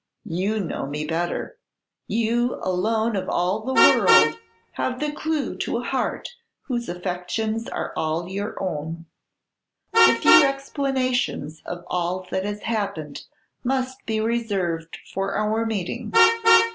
You know me better, you alone of all the world have the clew to a heart whose affections are all your own. The few explanations of all that has happened must be reserved for our meeting.